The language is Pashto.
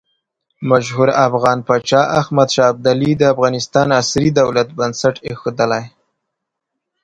مشهور افغان پاچا احمد شاه ابدالي د افغانستان عصري دولت بنسټ ایښودلی.